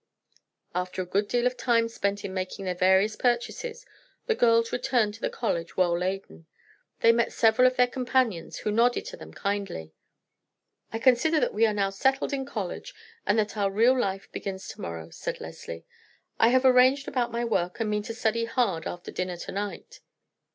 After a good deal of time spent in making their various purchases, the girls returned to the college well laden. They met several of their companions, who nodded to them kindly. "I consider that we are now settled in college and that our real life begins to morrow," said Leslie. "I have arranged about my work, and mean to study hard after dinner to night."